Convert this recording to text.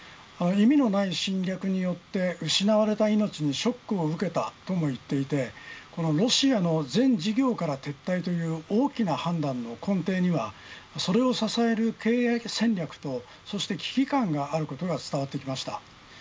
意味のない侵略によって失われた命にショックを受けたとも言っていてロシアの全事業から撤退という大きな判断の根底にはそれを支える経営戦略と危機感があることが伝わってきました。